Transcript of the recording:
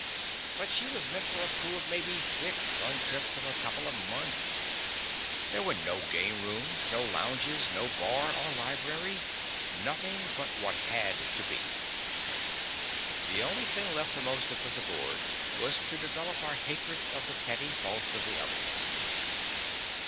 But she was meant for a crew of maybe six, on trips of a couple of months. There were no game rooms, no lounges, no bar or library nothing but what had to be. The only thing left for most of us aboard was to develop our hatreds of the petty faults of the others.